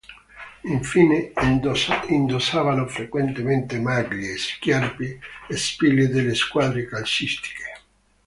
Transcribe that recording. Infine, indossavano frequentemente maglie, sciarpe o spille delle squadre calcistiche.